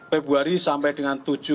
februari sampai dengan tujuh